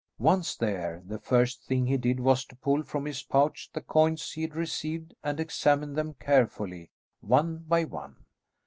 Once there, the first thing he did was to pull from his pouch the coins he had received and examine them carefully one by one.